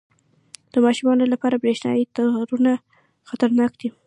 • د ماشومانو لپاره برېښنايي تارونه خطرناک دي.